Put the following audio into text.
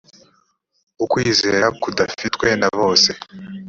ukwizera kudafitwe na bose